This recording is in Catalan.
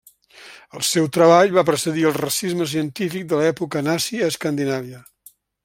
El seu treball va precedir el racisme científic de l'època nazi a Escandinàvia.